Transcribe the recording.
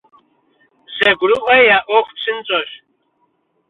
ЗэгурыӀуэ я Ӏуэху псынщӀэщ.